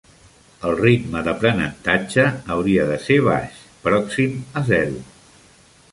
El ritme d'aprenentatge hauria de ser baix, pròxim a zero.